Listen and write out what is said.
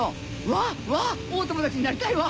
わっわっお友達になりたいわ。